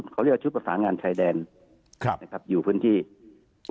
เขาเรียกว่าชุดประสานงานชายแดนครับนะครับอยู่พื้นที่